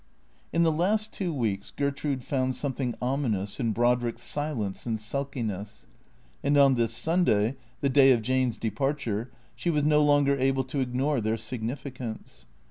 In the last two weeks Gertrude found something ominous in Brodrick's silence and sulkiness. And on this Sunday, the day of Jane's departure, she was no longer able to ignore their sig nificance.